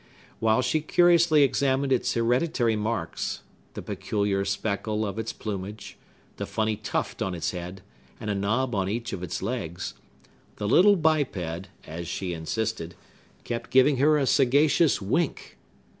While she curiously examined its hereditary marks,—the peculiar speckle of its plumage, the funny tuft on its head, and a knob on each of its legs,—the little biped, as she insisted, kept giving her a sagacious wink.